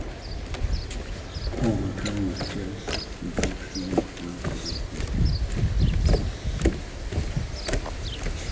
Overcome with jealousy, he breaks in and finds the place empty.